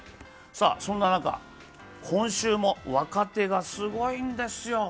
そんな中、今週も若手がすごいんですよ。